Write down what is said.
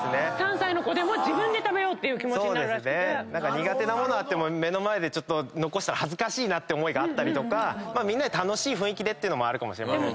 苦手な物あっても目の前で残したら恥ずかしいなって思いがあったりみんなで楽しい雰囲気ってのもあるかもしれませんね。